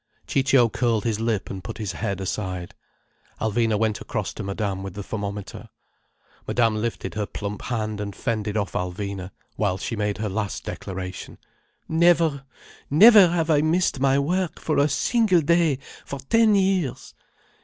Ciccio curled his lip and put his head aside. Alvina went across to Madame with the thermometer. Madame lifted her plump hand and fended off Alvina, while she made her last declaration: "Never—never have I missed my work, for a single day, for ten years.